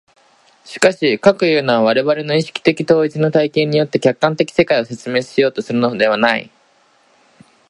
しかし、かくいうのは我々の意識的統一の体験によって客観的世界を説明しようとするのではない。